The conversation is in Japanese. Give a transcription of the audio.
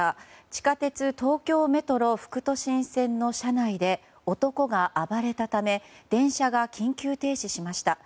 地下鉄東京メトロ副都心線の車内で男が暴れたため電車が緊急停止しました。